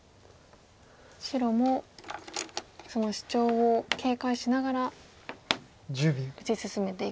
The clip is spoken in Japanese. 白もそのシチョウを警戒しながら打ち進めていくと。